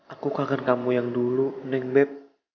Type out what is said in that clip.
aku kaget kamu yang dulu neng beb